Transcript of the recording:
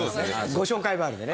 ご紹介もあるんでね。